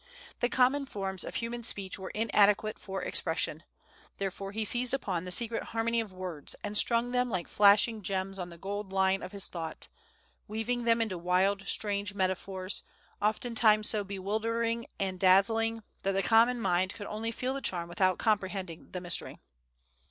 The common forms of human speech were inadequate for expression; therefore he seized upon the secret harmony of words, and strung them like flashing gems on the golden line of his thought, weaving them into wild, strange metaphors, oftentimes so bewildering and dazzling, that the common mind could only feel the charm without comprehending the mystery.